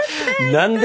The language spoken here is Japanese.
何で？